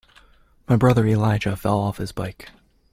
My brother Elijah fell off his bike.